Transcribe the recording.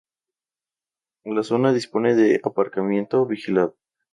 La zona dispone de aparcamiento vigilado.